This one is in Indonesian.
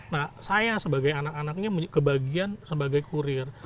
nah saya sebagai anak anaknya kebagian sebagai kurir